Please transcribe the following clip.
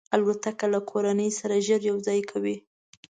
الوتکه له کورنۍ سره ژر یو ځای کوي.